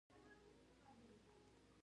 د کارکوونکو مسلکي چلند د بانک پرمختګ ښيي.